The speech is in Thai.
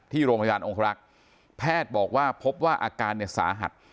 ที่โรงพยาบาลองครักษ์แพทย์บอกว่าพบว่าอาการเนี่ยสาหัส